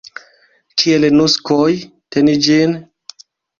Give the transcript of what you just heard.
Kiel nuksoj teni ĝin?